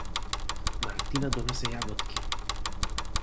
Мартина донесе јаготки.